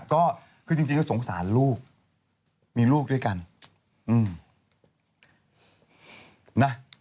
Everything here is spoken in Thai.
ก็คือจริงก็สงสารลูกมีลูกด้วยกันอืมนะ